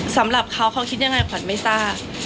สำหรับเขาเขาคิดยังไงขวัญไม่ทราบ